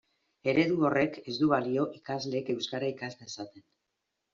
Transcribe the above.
Eredu horrek ez du balio ikasleek euskara ikas dezaten.